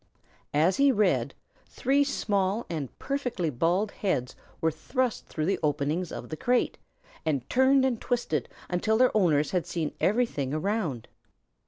As he read three small and perfectly bald heads were thrust through the openings of the crate and turned and twisted until their owners had seen everything around.